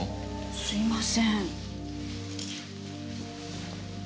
すいません。